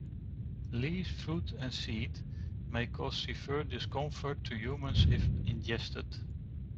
Leaves, fruit and seed may cause severe discomfort to humans if ingested.